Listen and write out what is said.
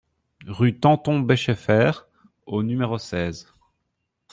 Rue Tanton-Bechefer au numéro seize